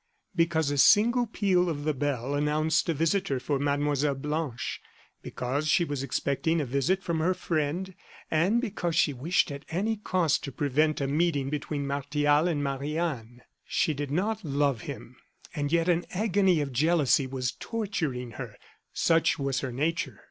Because a single peal of the bell announced a visitor for Mlle. Blanche; because she was expecting a visit from her friend; and because she wished at any cost to prevent a meeting between Martial and Marie Anne. She did not love him, and yet an agony of jealousy was torturing her. Such was her nature.